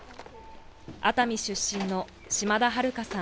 熱海出身の島田晴香さん